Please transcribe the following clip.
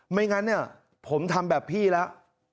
ไม่งั้นเนี่ยผมทำแบบพี่แล้ว